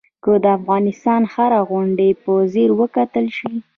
که د افغانستان هره غونډۍ په ځیر وکتل شي.